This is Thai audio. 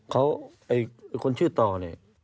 คนชื่อต่อเนี่ย